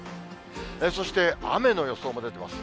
そして雨の予想も出てます。